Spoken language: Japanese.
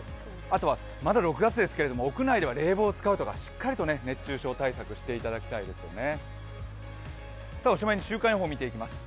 あとはまだ６月ですけれども屋内では冷房を使うとかしっかりと熱中症対策していただきたいですね。